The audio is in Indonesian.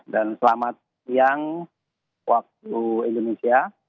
dan selamat siang waktu indonesia